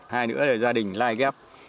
hai nữa là gia đình lai ghép